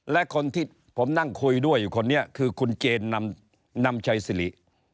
และคนที่ผมนั่งคุยด้วยอยู่คนนี้คือคุณเจนนำชัยสิริ